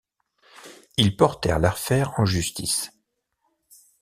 Ils portèrent l'affaire en justice.